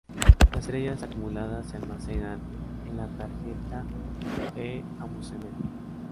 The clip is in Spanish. Las estrellas acumuladas se almacenan en la tarjeta e-Amusement.